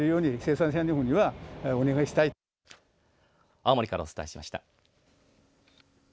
青森からお伝えしました。